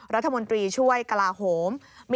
รัฐมนตรีช่วยกลาโหม